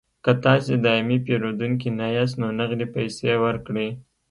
که تاسې دایمي پیرودونکي نه یاست نو نغدې پیسې ورکړئ